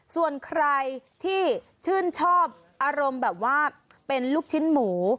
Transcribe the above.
ส่วนใครที่ชื่นชอบอารมณ์แบบว่าเป็นลูกชิ้นหมู